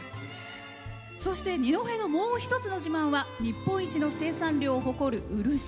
そして、二戸のもう一つの自慢は日本一の生産量を誇る漆。